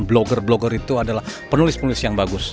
blogger blogger itu adalah penulis penulis yang bagus